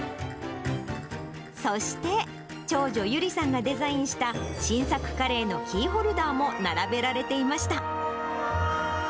そして長女、友里さんがデザインした新作カレーのキーホルダーも並べられていました。